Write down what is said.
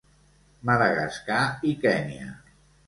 Madagascar i Kenya.